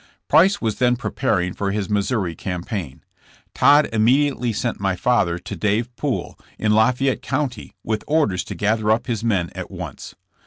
Price was then preparing for his Missouri campaign. Todd immediately sent my father to Dave Poole in Lafayette County with orders to gather up his men at once.